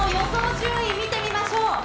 順位見てみましょう。